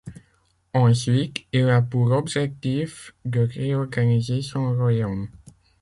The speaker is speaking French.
Ensuite, il a pour objectif de réorganiser son royaume.